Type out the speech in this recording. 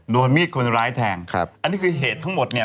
โดนมีดคนร้ายแทงครับอันนี้คือเหตุทั้งหมดเนี่ย